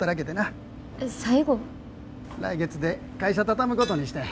来月で会社畳むことにしたんや。